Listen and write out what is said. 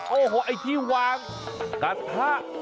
โอ้โหไอ้ที่วางกระทะ